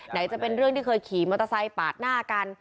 จะเป็นเรื่องที่เคยขี่มอเตอร์ไซค์ปาดหน้ากัน